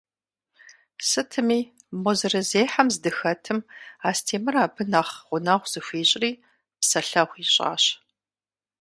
Сытми, мо зэрызехьэм здыхэтым, Астемыр абы нэхъ гъунэгъу зыхуищӏри, псэлъэгъу ищӏащ.